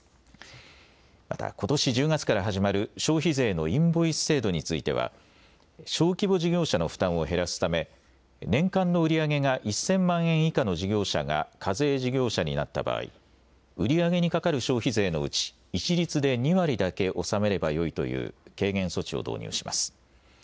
またことし１０月から始まる消費税のインボイス制度については小規模事業者の負担を減らすため年間の売り上げが１０００万円以下の事業者が課税事業者になった場合、売り上げにかかる消費税のうち一律で２割だけ納めればよいという軽減措置を導入します。